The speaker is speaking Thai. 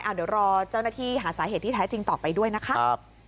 เดี๋ยวรอเจ้าหน้าที่หาสาเหตุที่แท้จริงต่อไปด้วยนะคะ